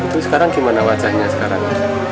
itu sekarang gimana wajahnya sekarang